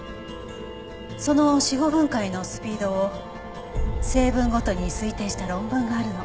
その死後分解のスピードを成分ごとに推定した論文があるの。